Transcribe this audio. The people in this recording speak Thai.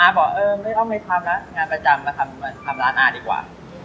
อาบอกเออไม่ต้องให้ทำละงานประจำมาทำมาทำร้านอาดีกว่า